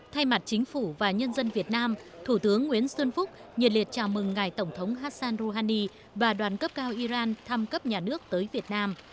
thay mặt chính phủ và nhân dân việt nam thủ tướng nguyễn xuân phúc nhiệt liệt chào mừng ngài tổng thống hassan rouhani và đoàn cấp cao iran thăm cấp nhà nước tới việt nam